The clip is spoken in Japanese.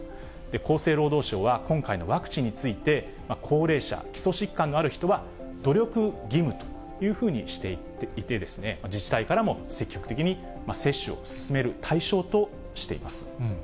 厚生労働省は今回のワクチンについて、高齢者、基礎疾患のある人は、努力義務というふうにしていて、自治体からも積極的に接種を勧める対象としています。